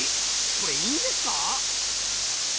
これいいんですか？